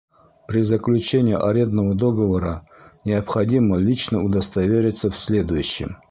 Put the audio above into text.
При заключении арендного договора необходимо лично удостоверится в следующем: